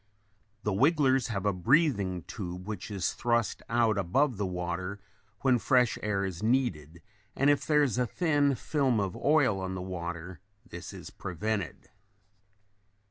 The wigglers have a breathing tube which is thrust out above the water when fresh air is needed and if there is a thin film of oil on the water this is prevented.